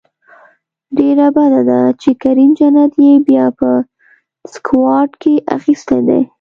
ډیره بده ده چې کریم جنت یې بیا په سکواډ کې اخیستی دی